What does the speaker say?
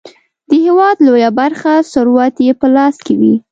د هیواد لویه برخه ثروت یې په لاس کې وي.